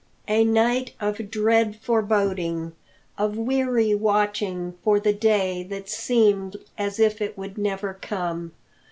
A night of dread foreboding, of weary watching for the day that seemed as if it would never come.